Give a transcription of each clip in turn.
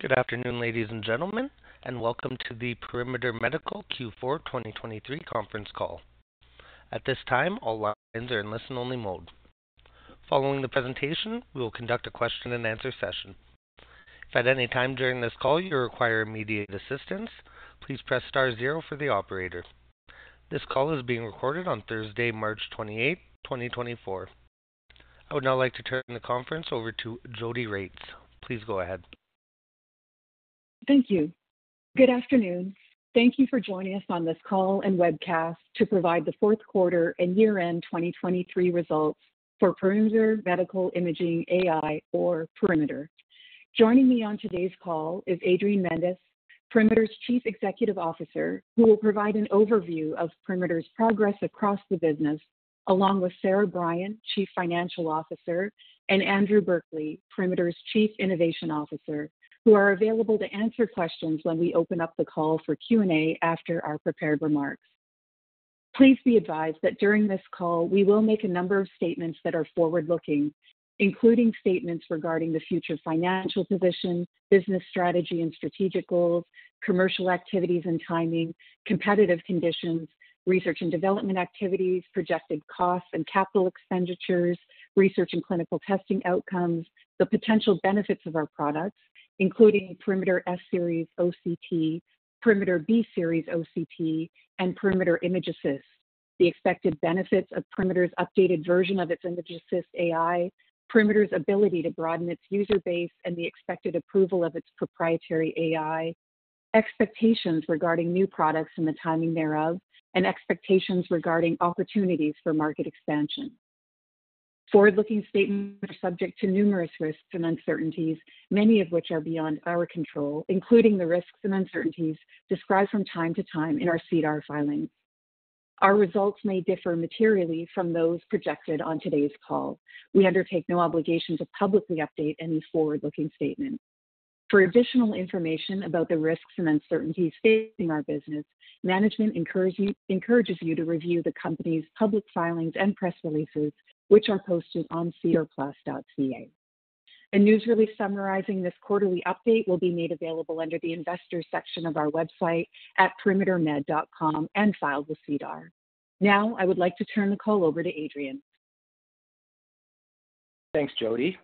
Good afternoon, ladies and gentlemen, and welcome to the Perimeter Medical Q4 2023 conference call. At this time, all lines are in listen-only mode. Following the presentation, we will conduct a question-and-answer session. If at any time during this call you require immediate assistance, please press star zero for the operator. This call is being recorded on Thursday, March 28th, 2024. I would now like to turn the conference over to Jodi Regts. Please go ahead. Thank you. Good afternoon. Thank you for joining us on this call and webcast to provide the fourth quarter and year-end 2023 results for Perimeter Medical Imaging AI, or Perimeter. Joining me on today's call is Adrian Mendes, Perimeter's Chief Executive Officer, who will provide an overview of Perimeter's progress across the business, along with Sarah Brien, Chief Financial Officer, and Andrew Berkeley, Perimeter's Chief Innovation Officer, who are available to answer questions when we open up the call for Q&A after our prepared remarks. Please be advised that during this call we will make a number of statements that are forward-looking, including statements regarding the future financial position, business strategy and strategic goals, commercial activities and timing, competitive conditions, research and development activities, projected costs and capital expenditures, research and clinical testing outcomes, the potential benefits of our products, including Perimeter S-Series OCT, Perimeter B-Series OCT, and Perimeter Image Assist, the expected benefits of Perimeter's updated version of its Image Assist AI, Perimeter's ability to broaden its user base, and the expected approval of its proprietary AI, expectations regarding new products and the timing thereof, and expectations regarding opportunities for market expansion. Forward-looking statements are subject to numerous risks and uncertainties, many of which are beyond our control, including the risks and uncertainties described from time to time in our SEDAR filings. Our results may differ materially from those projected on today's call. We undertake no obligation to publicly update any forward-looking statement. For additional information about the risks and uncertainties facing our business, management encourages you to review the company's public filings and press releases, which are posted on SEDARplus.ca. A news release summarizing this quarterly update will be made available under the Investors section of our website at perimetermed.com and filed with SEDAR+. Now, I would like to turn the call over to Adrian. Thanks, Jodi.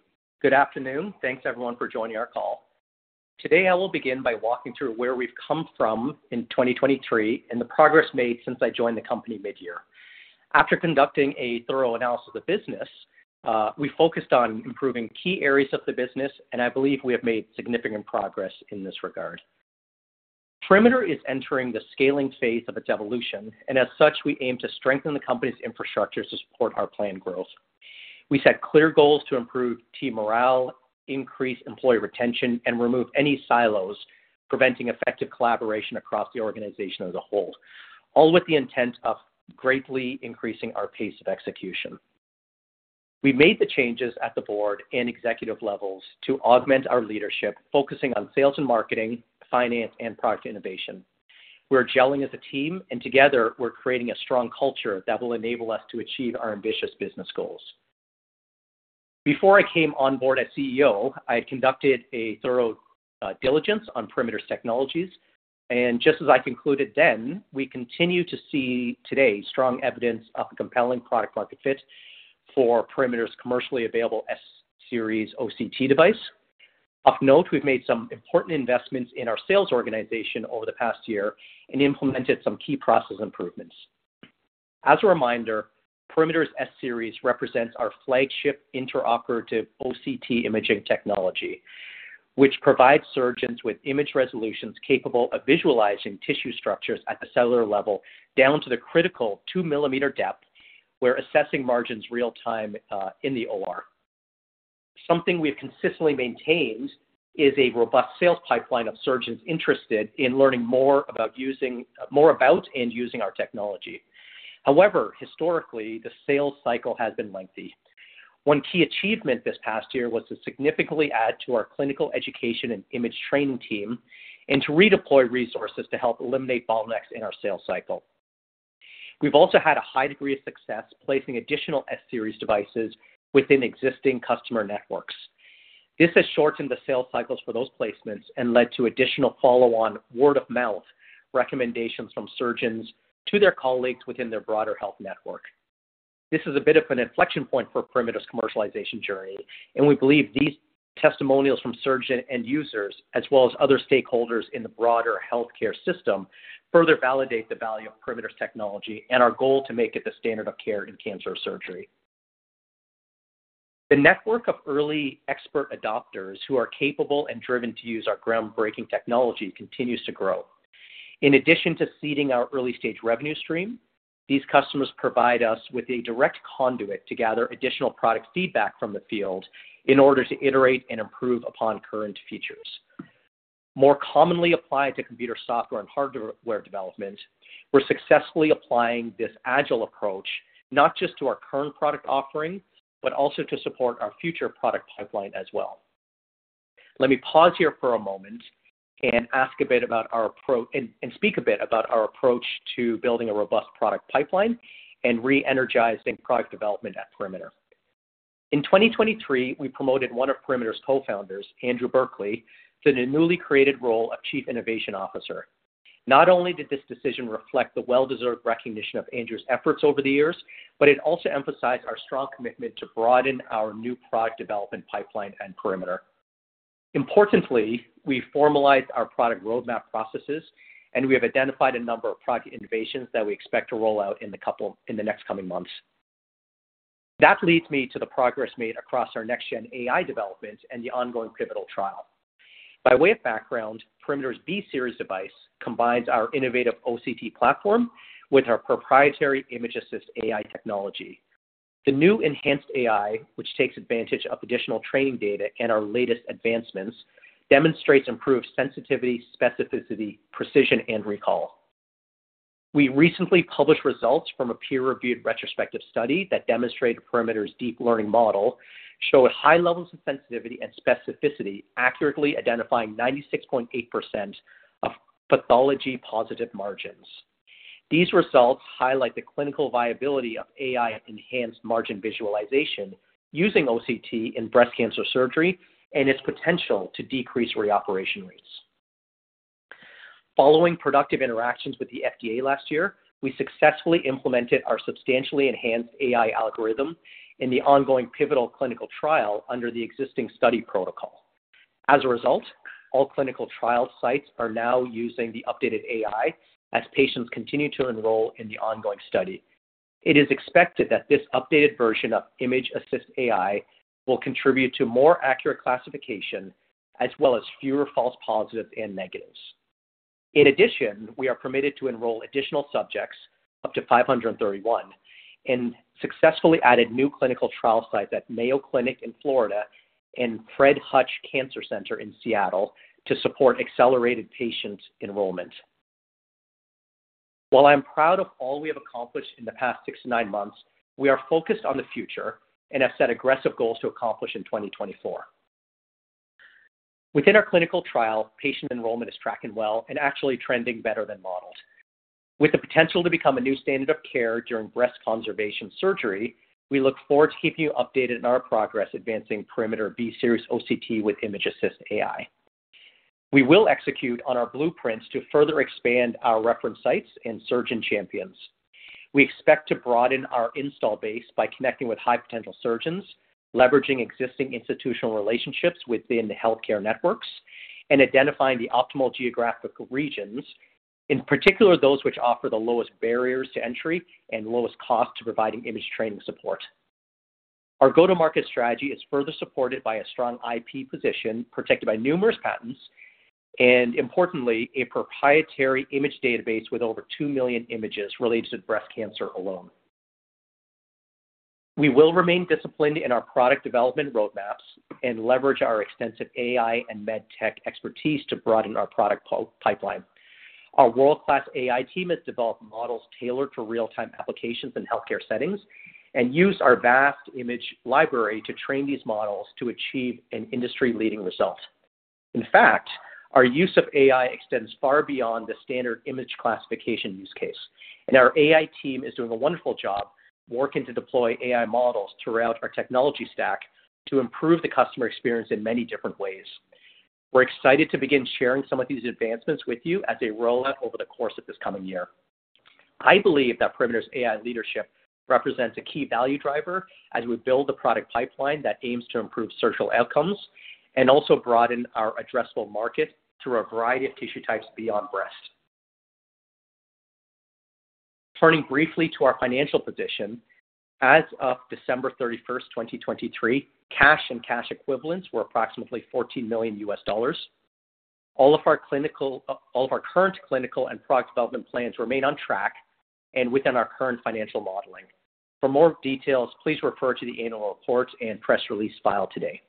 Good afternoon. Thanks, everyone, for joining our call. Today I will begin by walking through where we've come from in 2023 and the progress made since I joined the company mid-year. After conducting a thorough analysis of the business, we focused on improving key areas of the business, and I believe we have made significant progress in this regard. Perimeter is entering the scaling phase of its evolution, and as such, we aim to strengthen the company's infrastructure to support our planned growth. We set clear goals to improve team morale, increase employee retention, and remove any silos preventing effective collaboration across the organization as a whole, all with the intent of greatly increasing our pace of execution. We've made the changes at the board and executive levels to augment our leadership, focusing on sales and marketing, finance, and product innovation. We're gelling as a team, and together we're creating a strong culture that will enable us to achieve our ambitious business goals. Before I came on board as CEO, I had conducted a thorough diligence on Perimeter's technologies, and just as I concluded then, we continue to see today strong evidence of a compelling product-market fit for Perimeter's commercially available S-Series OCT device. Of note, we've made some important investments in our sales organization over the past year and implemented some key process improvements. As a reminder, Perimeter's S-Series represents our flagship intraoperative OCT imaging technology, which provides surgeons with image resolutions capable of visualizing tissue structures at the cellular level down to the critical 2-millimeter depth, where assessing margins real-time in the OR. Something we have consistently maintained is a robust sales pipeline of surgeons interested in learning more about using our technology. However, historically, the sales cycle has been lengthy. One key achievement this past year was to significantly add to our clinical education and image training team and to redeploy resources to help eliminate bottlenecks in our sales cycle. We've also had a high degree of success placing additional S-Series devices within existing customer networks. This has shortened the sales cycles for those placements and led to additional follow-on word-of-mouth recommendations from surgeons to their colleagues within their broader health network. This is a bit of an inflection point for Perimeter's commercialization journey, and we believe these testimonials from surgeons and users, as well as other stakeholders in the broader healthcare system, further validate the value of Perimeter's technology and our goal to make it the standard of care in cancer surgery. The network of early expert adopters who are capable and driven to use our groundbreaking technology continues to grow. In addition to seeding our early-stage revenue stream, these customers provide us with a direct conduit to gather additional product feedback from the field in order to iterate and improve upon current features. More commonly applied to computer software and hardware development, we're successfully applying this agile approach not just to our current product offering but also to support our future product pipeline as well. Let me pause here for a moment and ask a bit about our approach and speak a bit about our approach to building a robust product pipeline and re-energizing product development at Perimeter. In 2023, we promoted one of Perimeter's co-founders, Andrew Berkeley, to the newly created role of Chief Innovation Officer. Not only did this decision reflect the well-deserved recognition of Andrew's efforts over the years, but it also emphasized our strong commitment to broaden our new product development pipeline and Perimeter. Importantly, we formalized our product roadmap processes, and we have identified a number of product innovations that we expect to roll out in the next coming months. That leads me to the progress made across our next-gen AI development and the ongoing pivotal trial. By way of background, Perimeter's B-Series device combines our innovative OCT platform with our proprietary Image Assist AI technology. The new enhanced AI, which takes advantage of additional training data and our latest advancements, demonstrates improved sensitivity, specificity, precision, and recall. We recently published results from a peer-reviewed retrospective study that demonstrated Perimeter's deep learning model shows high levels of sensitivity and specificity, accurately identifying 96.8% of pathology-positive margins. These results highlight the clinical viability of AI-enhanced margin visualization using OCT in breast cancer surgery and its potential to decrease reoperation rates. Following productive interactions with the FDA last year, we successfully implemented our substantially enhanced AI algorithm in the ongoing pivotal clinical trial under the existing study protocol. As a result, all clinical trial sites are now using the updated AI as patients continue to enroll in the ongoing study. It is expected that this updated version of Image Assist AI will contribute to more accurate classification as well as fewer false positives and negatives. In addition, we are permitted to enroll additional subjects, up to 531, in successfully added new clinical trial sites at Mayo Clinic in Florida and Fred Hutch Cancer Center in Seattle to support accelerated patient enrollment. While I am proud of all we have accomplished in the past 6 months-9 months, we are focused on the future and have set aggressive goals to accomplish in 2024. Within our clinical trial, patient enrollment is tracking well and actually trending better than modeled. With the potential to become a new standard of care during breast conservation surgery, we look forward to keeping you updated on our progress advancing Perimeter B-Series OCT with Image Assist AI. We will execute on our blueprints to further expand our reference sites and surgeon champions. We expect to broaden our install base by connecting with high-potential surgeons, leveraging existing institutional relationships within the healthcare networks, and identifying the optimal geographic regions, in particular those which offer the lowest barriers to entry and lowest cost to providing image training support. Our go-to-market strategy is further supported by a strong IP position protected by numerous patents and, importantly, a proprietary image database with over two million images related to breast cancer alone. We will remain disciplined in our product development roadmaps and leverage our extensive AI and med tech expertise to broaden our product pipeline. Our world-class AI team has developed models tailored for real-time applications in healthcare settings and used our vast image library to train these models to achieve an industry-leading result. In fact, our use of AI extends far beyond the standard image classification use case, and our AI team is doing a wonderful job working to deploy AI models throughout our technology stack to improve the customer experience in many different ways. We're excited to begin sharing some of these advancements with you as a rollout over the course of this coming year. I believe that Perimeter's AI leadership represents a key value driver as we build the product pipeline that aims to improve surgical outcomes and also broaden our addressable market through a variety of tissue types beyond breast. Turning briefly to our financial position, as of December 31st, 2023, cash and cash equivalents were approximately $14 million. All of our current clinical and product development plans remain on track and within our current financial modeling. For more details, please refer to the annual report and press release filed today.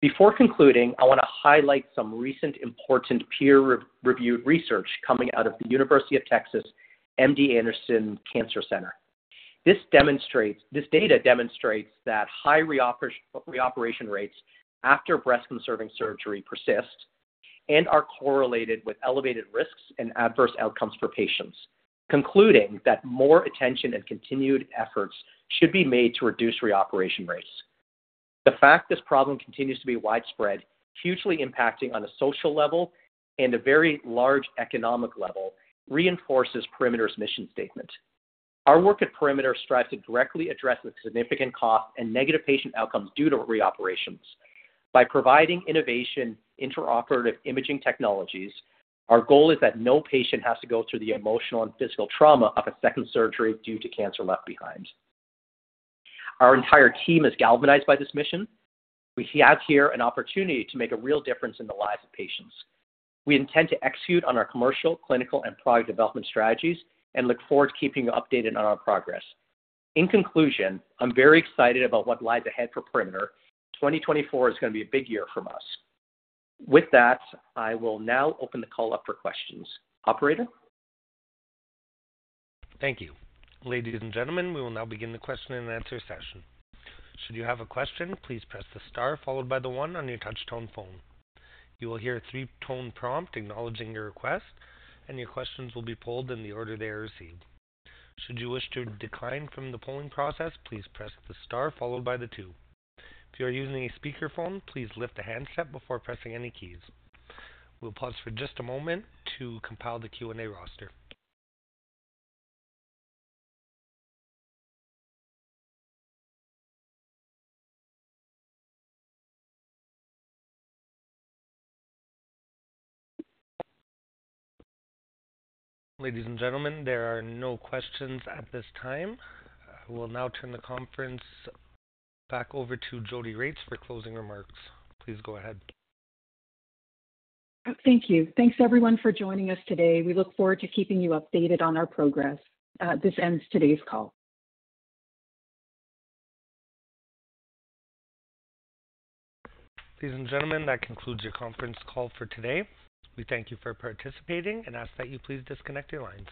Before concluding, I want to highlight some recent important peer-reviewed research coming out of the University of Texas MD Anderson Cancer Center. This data demonstrates that high reoperation rates after breast conserving surgery persist and are correlated with elevated risks and adverse outcomes for patients, concluding that more attention and continued efforts should be made to reduce reoperation rates. The fact this problem continues to be widespread, hugely impacting on a social level and a very large economic level, reinforces Perimeter's mission statement. Our work at Perimeter strives to directly address the significant costs and negative patient outcomes due to reoperations. By providing innovative intraoperative imaging technologies, our goal is that no patient has to go through the emotional and physical trauma of a second surgery due to cancer left behind. Our entire team is galvanized by this mission. We have here an opportunity to make a real difference in the lives of patients. We intend to execute on our commercial, clinical, and product development strategies and look forward to keeping you updated on our progress. In conclusion, I'm very excited about what lies ahead for Perimeter. 2024 is going to be a big year for us. With that, I will now open the call up for questions. Operator? Thank you. Ladies and gentlemen, we will now begin the question and answer session. Should you have a question, please press the star followed by the one on your touch tone phone. You will hear a three-tone prompt acknowledging your request, and your questions will be polled in the order they are received. Should you wish to decline from the polling process, please press the star followed by the two. If you are using a speakerphone, please lift the handset before pressing any keys. We'll pause for just a moment to compile the Q&A roster. Ladies and gentlemen, there are no questions at this time. We'll now turn the conference back over to Jodi Regts for closing remarks. Please go ahead. Thank you. Thanks, everyone, for joining us today. We look forward to keeping you updated on our progress. This ends today's call. Ladies and gentlemen, that concludes your conference call for today. We thank you for participating and ask that you please disconnect your lines.